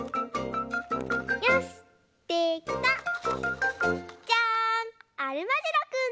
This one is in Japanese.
よしできた！じゃん！